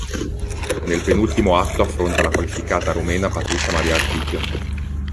Nel penultimo atto affronta la qualificata rumena Patricia Maria Tig.